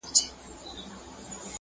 په لومړۍ شپه وو خپل خدای ته ژړېدلی؛